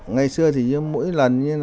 ngày xưa thì mỗi lần